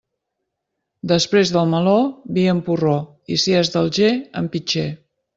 Després del meló, vi en porró, i si és d'Alger, en pitxer.